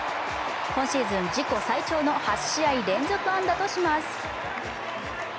今シーズン自己最長の８試合連続安打とします。